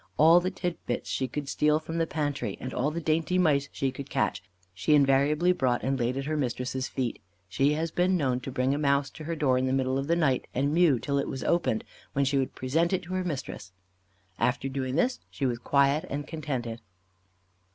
All the tit bits she could steal from the pantry, and all the dainty mice she could catch, she invariably brought and laid at her mistress's feet. She has been known to bring a mouse to her door in the middle of the night, and mew till it was opened, when she would present it to her mistress. After doing this she was quiet and contented.